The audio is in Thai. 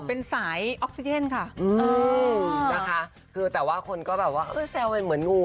เป็นสายออกซิเจนค่ะนะคะคือแต่ว่าคนก็แบบว่าเออแซวมันเหมือนงู